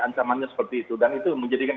ancamannya seperti itu dan itu menjadikan